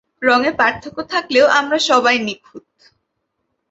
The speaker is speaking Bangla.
রঙে পার্থক্য থাকলেও আমরা সবাই নিঁখুত!